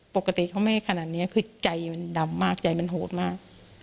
ปกติเขาไม่ขนาดนี้คือใจมันดำมากใจมันโหดมาก